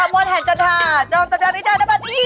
เห้ยกะโมนแทนจันทาจอมสำนักนี้ได้ไหมนี่